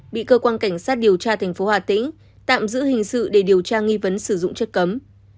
bị cơ quan cảnh sát điều tra thành phố hà tĩnh tạm giữ hình sự để điều tra nghi vấn sử dụng chất cấm